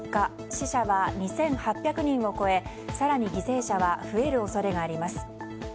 死者は２８００人を超え更に犠牲者は増える恐れがあります。